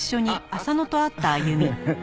ハハハッ！